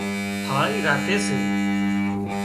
ٿاۯي راکي سي